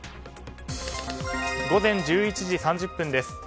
午前１１時３０分です。